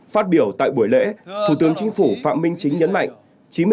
phát biểu tại buổi lễ thủ tướng chính phủ phạm minh chính nhấn mạnh